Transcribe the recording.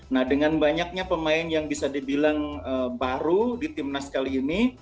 nah dengan banyaknya pemain yang bisa dibilang baru di timnas kali ini